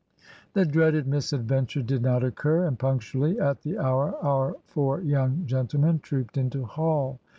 The dreaded misadventure did not occur; and punctually at the hour our four young gentlemen trooped into Hall.